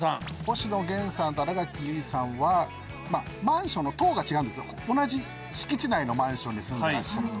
星野源さんと新垣結衣さんはマンションの棟が違うんですけど同じ敷地内のマンションに住んでらっしゃると。